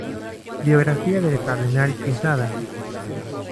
Biografía del cardenal Quezada